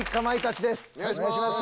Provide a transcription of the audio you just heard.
お願いします。